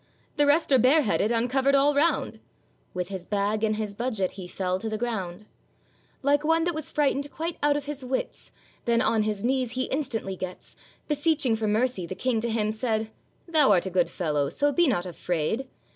The rest are bareheaded, uncovered all round.'— With his bag and his budget he fell to the ground, Like one that was frightened quite out of his wits, Then on his knees he instantly gets, Beseeching for mercy; the King to him said, 'Thou art a good fellow, so be not afraid.